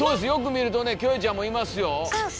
よく見るとねキョエちゃんもいますよ。